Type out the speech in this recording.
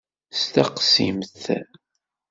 Steqsimt!